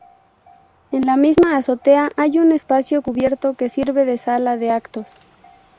En la misma azotea hay un espacio cubierto que sirve de sala de actos.